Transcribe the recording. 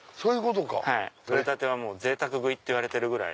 取れたてはぜいたく食いって言われてるぐらい。